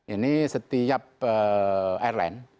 ini setiap airline